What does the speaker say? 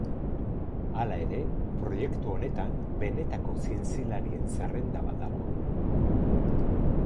Hala ere proiektu honetan benetako zientzialarien zerrenda bat dago.